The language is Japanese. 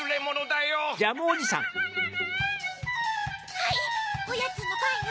はいおやつのパンよ。